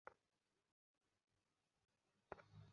কেমন যেন হিংস্র হয়ে উঠেছে।